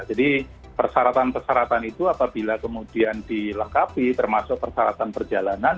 jadi persyaratan persyaratan itu apabila kemudian dilengkapi termasuk persyaratan perjalanan